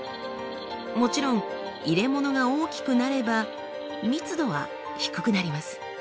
もちろん入れ物が大きくなれば密度は低くなります。